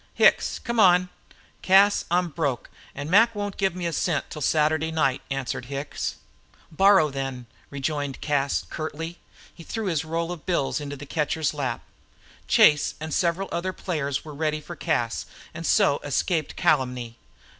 "Hicks, come on." "Cas, I'm broke, an' Mac won't give me a cent till Saturday night," answered Hicks. "Borrow, then," rejoined Cas, curtly. He threw his roll of bills into the catcher's lap. Chase and several of the other players were ready for Cas, and so escaped calumny.